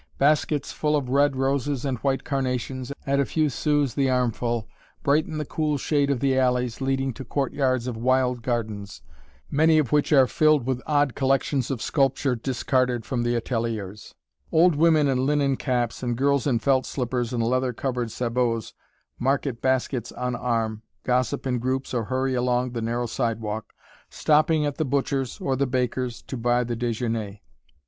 Baskets full of red roses and white carnations, at a few sous the armful, brighten the cool shade of the alleys leading to courtyards of wild gardens, many of which are filled with odd collections of sculpture discarded from the ateliers. [Illustration: (donkey cart in front of market)] Old women in linen caps and girls in felt slippers and leather covered sabots, market baskets on arm, gossip in groups or hurry along the narrow sidewalk, stopping at the butcher's or the baker's to buy the déjeuner.